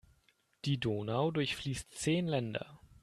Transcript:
Die Donau durchfließt zehn Länder.